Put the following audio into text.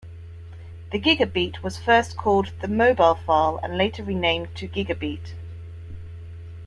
The Gigabeat was first called the MobilPhile and later renamed to Gigabeat.